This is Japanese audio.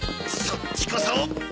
そっちこそ。